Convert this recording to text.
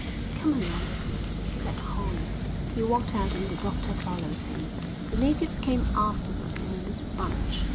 "Come along with me," said Horn. He walked out and the doctor followed him. The natives came after them in a little bunch.